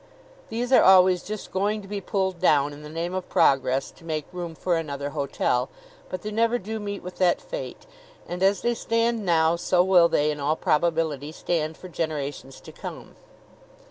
These are always just going to be pulled down in the name of progress to make room for another hotel, but they never do meet with that fate; and as they stand now so will they in all probability stand for generations to come.